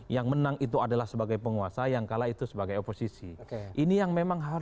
yang menang itu adalah sebagai penguasa yang kalah itu sebagai oposisi ini yang memang harus